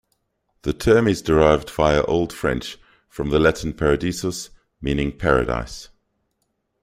The term is derived "via" Old French from the Latin "paradisus" meaning "paradise".